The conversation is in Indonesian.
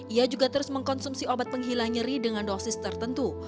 ia juga terus mengkonsumsi obat penghilang nyeri dengan dosis tertentu